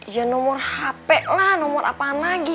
ya nomor hp lah nomor apa lagi